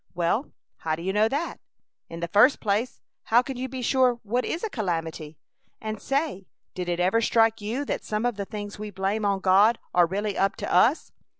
"Well, how do you know that? In the first place, how can you be sure what is a calamity? And say, did it ever strike you that some of the things we blame on God are really up to us?